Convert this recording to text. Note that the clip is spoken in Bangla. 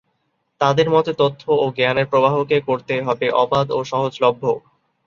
তাদের মতে, তথ্য ও জ্ঞানের প্রবাহকে করতে হবে অবাধ ও সহজলভ্য।